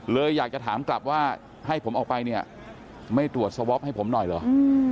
เลยอยากจะถามกลับว่าให้ผมออกไปเนี่ยไม่ตรวจสวอปให้ผมหน่อยเหรอ